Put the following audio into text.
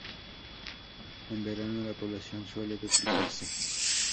En verano la población suele duplicarse.